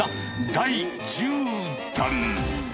第１０弾。